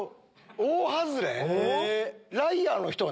大外れ